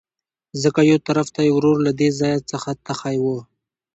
ځکه يوطرف ته يې ورور له دې ځاى څخه تښى وو.